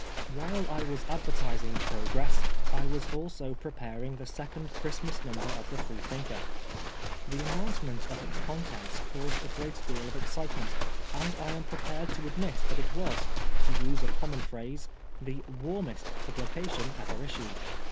While I was advertising Progress I was also preparing the second Christmas Number of the Freethinker, The announcement of its contents caused a great deal of excitement, and I am prepared to admit that it was, to use a common phrase, the " warmest " publication ever issued.